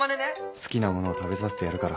「好きなもの食べさせてやるから」。